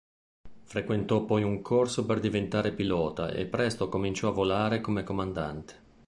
Frequentò poi un corso per diventare pilota e presto cominciò a volare come comandante.